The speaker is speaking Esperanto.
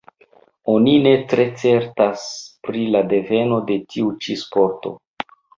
Oni ne tre certas pri la deveno de tiu ĉi sporto.